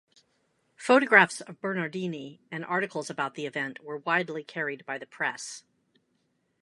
Photographs of Bernardini and articles about the event were widely carried by the press.